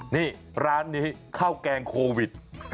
นี่ร้านนี้ข้าวแกงโควิด